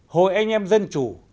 hội anh em dân chủ